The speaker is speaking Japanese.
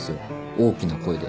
大きな声で。